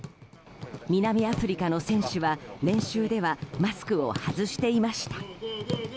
南アフリカの選手は練習ではマスクを外していました。